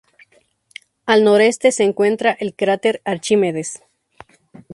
Al noroeste se encuentra el cráter Archimedes.